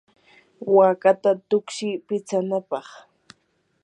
waakata tuksiy pistanapaq.